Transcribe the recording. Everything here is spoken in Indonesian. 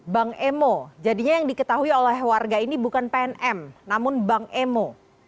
bang emo jadinya yang diketahui oleh warga ini bukan pnm namun bank emo